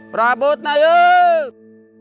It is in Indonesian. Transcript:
prabut na yuk